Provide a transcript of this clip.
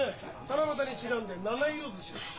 七夕にちなんで七色ずしです。